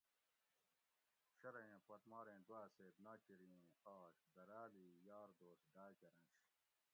شۤرہ ایں پت ماریں دواۤ سیت ناچیری ایں آش دراۤل ای یار دوست ڈاۤ کرنش